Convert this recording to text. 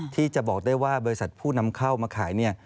ที่จะบอกได้ว่าบริษัทผู้นำเข้ามาขายเนี่ย